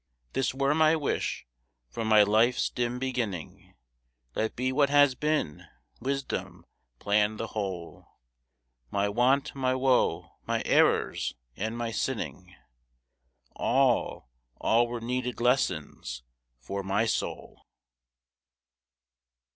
This were my wish! from my life's dim beginning Let be what has been! wisdom planned the whole; My want, my woe, my errors, and my sinning, All, all were needed lessons for my soul.